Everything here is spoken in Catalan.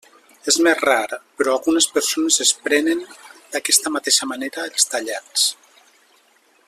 És més rar, però algunes persones es prenen d'aquesta mateixa manera els tallats.